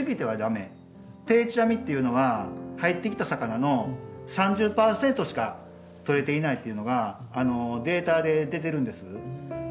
定置網っていうのは入ってきた魚の３０％しか取れていないっていうのがデータで出てるんです。